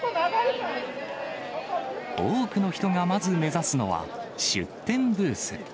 多くの人がまず目指すのは、出店ブース。